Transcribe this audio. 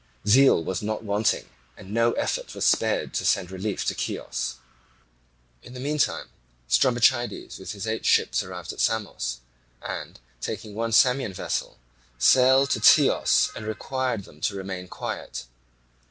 Zeal was not wanting, and no effort was spared to send relief to Chios. In the meantime Strombichides with his eight ships arrived at Samos, and, taking one Samian vessel, sailed to Teos and required them to remain quiet.